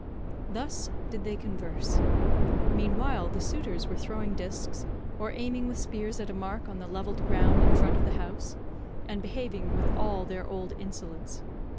Thus did they converse. Meanwhile the suitors were throwing discs, or aiming with spears at a mark on the levelled ground in front of the house, and behaving with all their old insolence.